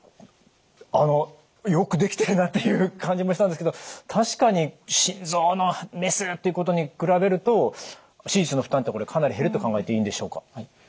あのよくできてるなという感じもしたんですけど確かに心臓のメスということに比べると手術の負担ってこれかなり減ると考えていいんでしょうか？